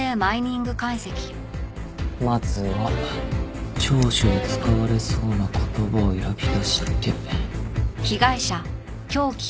まずは聴取で使われそうな言葉を選び出して。